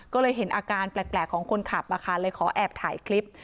ก็เลยเห็นอาการแปลกของคนขับเลยขอแอบถ่ายคลิป